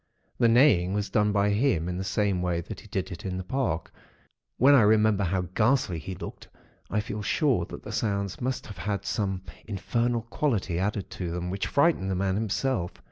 The neighing was done by him, in the same way that he did it in the park; when I remember how ghastly he looked, I feel sure that the sounds must have had some infernal quality added to them, which frightened the man himself.